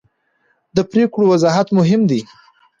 د پرېکړو وضاحت مهم دی